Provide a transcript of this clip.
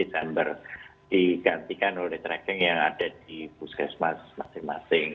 desember digantikan oleh tracking yang ada di puskesmas masing masing